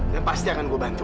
dan pasti akan gue bantu